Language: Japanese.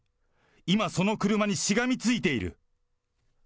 今、その車にしがみついている。